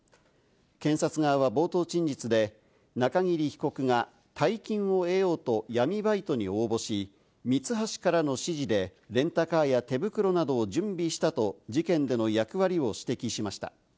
検察側は冒頭陳述で、中桐被告が大金を得ようと闇バイトに応募し、ミツハシからの指示でレンタカーや手袋などを準備したと事件での役割を指摘しました。